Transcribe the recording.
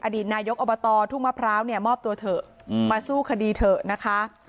อดีตนายกอบตทุ่งมะพร้าวเนี่ยมอบตัวเถอะมาสู้คดีเถอะนะคะ